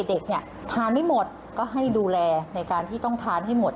เด็กเนี่ยทานไม่หมดก็ให้ดูแลในการที่ต้องทานให้หมด